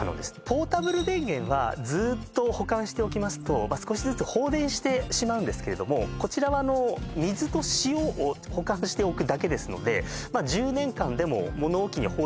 ポータブル電源はずっと保管しておきますと少しずつ放電してしまうんですけれどもこちらは水と塩を保管しておくだけですのではあ